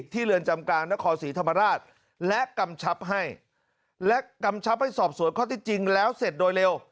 เรือนจำกลางนครศรีธรรมราชและกำชับให้และกำชับให้สอบสวนข้อที่จริงแล้วเสร็จโดยเร็ว